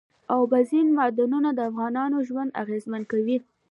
اوبزین معدنونه د افغانانو ژوند اغېزمن کوي.